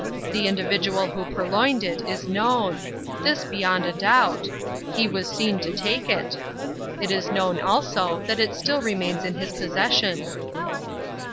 The individual who purloined it is known; this beyond a doubt; he was seen to take it. It is known, also, that it still remains in his possession."